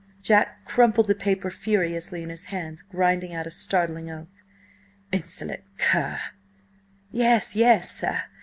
'" Jack crumpled the paper furiously in his hand, grinding out a startling oath. "— insolent cur!" "Yes, yes, sir!